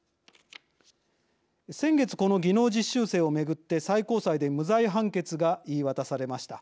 先月この技能実習生を巡って最高裁で無罪判決が言い渡されました。